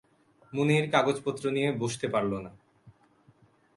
মুনির কাগজপত্র নিয়ে বসতে পারল না।